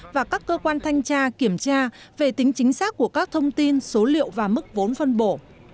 và các cơ quan thanh tra kiểm tra về tính chính xác của các thông tin số liệu và mức vốn phân bổ